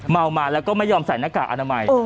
เมามาแล้วก็ไม่ยอมใส่หน้ากากอนามัย